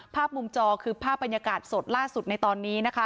ภาพมุมจอคือภาพบรรยากาศสดล่าสุดในตอนนี้นะคะ